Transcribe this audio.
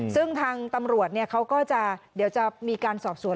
ซึ่งทางตำรวจเขาก็จะเดี๋ยวจะมีการสอบสวน